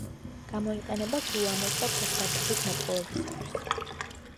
გამოიყენება გუანოს და ფოსფატების მოპოვებისათვის.